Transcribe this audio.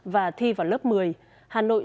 và thi vào lớp một mươi hà nội